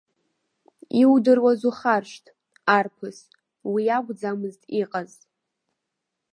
Иудыруаз ухаршҭ, арԥыс, уи акәӡамызт иҟаз.